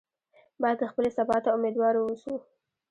باید خپلې سبا ته امیدواره واوسو.